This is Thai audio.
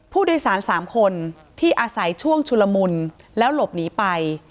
ผู้โดยสาร๓คนที่อาศัยช่วงชุลมุนแล้วหลบหนีไป